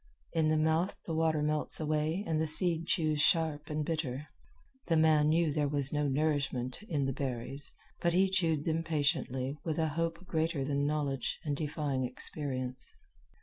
In the mouth the water melts away and the seed chews sharp and bitter. The man knew there was no nourishment in the berries, but he chewed them patiently with a hope greater than knowledge and defying experience.